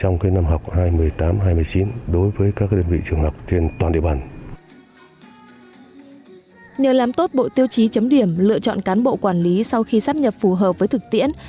nhờ làm tốt bộ tiêu chí chấm điểm lựa chọn cán bộ quản lý sau khi sắp nhập phù hợp với thực tiễn